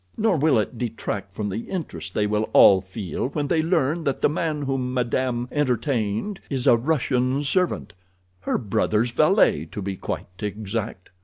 Nor will it detract from the interest they will all feel when they learn that the man whom madame entertained is a Russian servant—her brother's valet, to be quite exact."